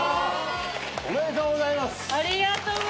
おめでとうございます！